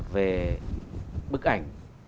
về bức ảnh